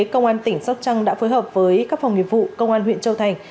công an tỉnh sóc trăng đã phối hợp với các phòng nghiệp vụ công an huyện châu thành